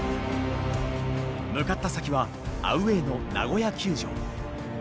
向かった先はアウェーのナゴヤ球場。